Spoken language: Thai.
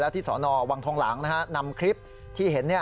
ที่สนวังทองหลังนำคลิปที่เห็น